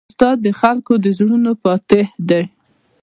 استاد د خلکو د زړونو فاتح دی.